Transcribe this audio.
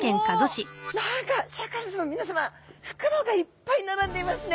何かシャーク香音さま皆さま袋がいっぱい並んでいますね。